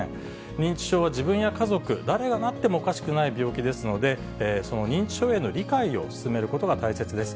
認知症は自分や家族、誰がなってもおかしくない病気ですので、この認知症への理解を進めることが大切です。